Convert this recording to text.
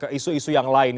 ke isu isu yang lain